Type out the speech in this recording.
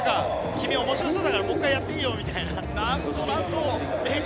君、面白そうだからもう１回やっていいよって。